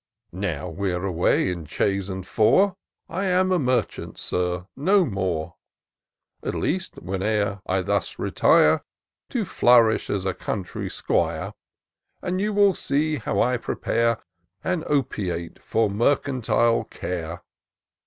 Now we're away in chaise and four, I am a merchant, Sir, no more, At least, whene'er I thus retire. To flourish as a country 'squire ; And you will see how I prepare An opiate for mercantile care.